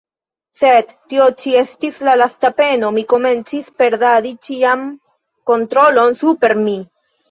Sed tio ĉi estis la lasta peno; mi komencis perdadi ĉian kontrolon super mi.